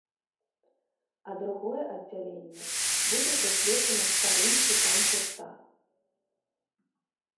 А другое аддзяленне будзе прысвечана старым хітам гурта.